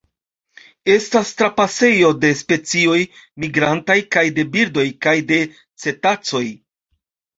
Estas trapasejo de specioj migrantaj kaj de birdoj kaj de cetacoj.